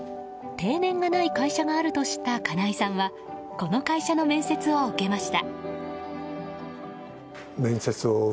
定年がない会社があると知った金井さんはこの会社の面接を受けました。